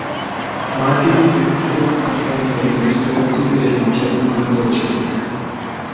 Martin and Co কোম্পানির একজন স্থপতি এর নকশা প্রণয়ন করেছিলেন।